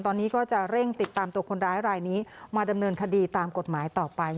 ตอนนี้ก็จะเร่งติดตามตัวคนร้ายรายนี้มาดำเนินคดีตามกฎหมายต่อไป